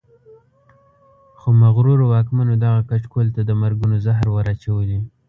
خو مغرورو واکمنو دغه کچکول ته د مرګونو زهر ور اچولي.